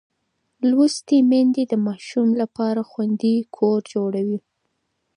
لوستې میندې د ماشوم لپاره خوندي کور جوړوي.